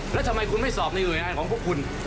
แล้วทำไมคุณไม่สอบในหน่วยงานของพวกคุณ